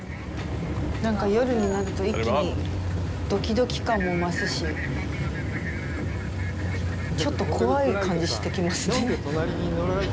なんか夜になると一気にドキドキ感も増すしちょっと怖い感じしてきますね。